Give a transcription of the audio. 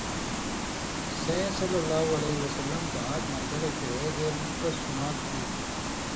سیں ﷺ دھان٘ک مرگلئ ڇِہے گېل تَس جُماتھ گیلیۡ۔